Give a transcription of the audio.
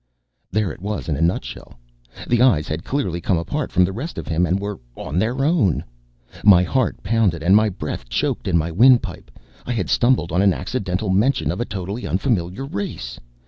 _ There it was in a nutshell. The eyes had clearly come apart from the rest of him and were on their own. My heart pounded and my breath choked in my windpipe. I had stumbled on an accidental mention of a totally unfamiliar race.